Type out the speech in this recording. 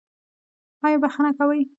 ایا بخښنه کوئ؟